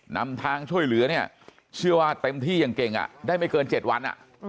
นำทางช่วยเหลือเนี่ยเชื่อว่าเต็มที่อย่างเก่งได้ไม่เกิน๗วัน